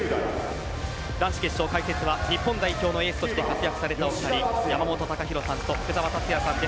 男子決勝解説は日本代表のエースとして活躍されたお二人山本隆弘さんと福澤達哉さんです。